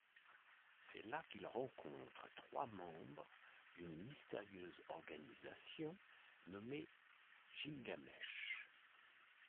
C'est là qu'ils rencontrent trois membres d'une mystérieuse organisation nommée Gilgamesh.